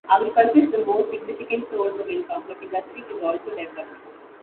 Agriculture is the most significant source of income, but industry is also developed.